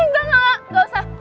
gak gak usah